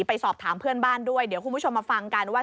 ไปสอบถามเพื่อนบ้านด้วยเดี๋ยวคุณผู้ชมมาฟังกันว่า